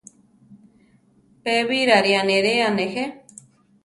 Pe Birari aniría nejé.